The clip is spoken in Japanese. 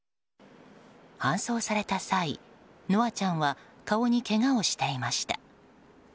搬送された際、夢空ちゃんは顔にけがをしていました。